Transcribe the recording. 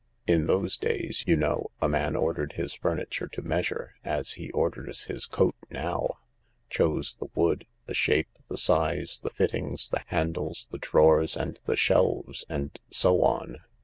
In those days, you know, a man ordered his furniture to measure as he orders his coat now — chose the wood, the shape, the size, the fittings, the handles, the drawers and the shelves, and so on.